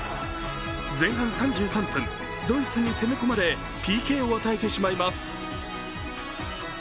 前半３３分、ドイツに攻め込まれＰＫを与えてしまいます。